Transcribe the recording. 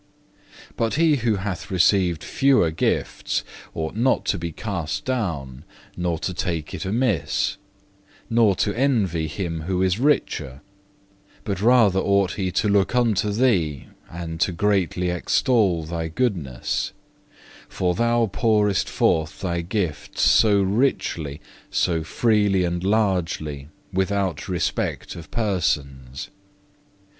3. But he who hath received fewer gifts, ought not to be cast down, nor to take it amiss, nor to envy him who is richer; but rather ought he to look unto Thee, and to greatly extol Thy goodness, for Thou pourest forth Thy gifts so richly, so freely and largely, without respect of persons.